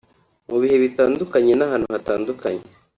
mu bihe bitandukanye n’ahantu hatandukanye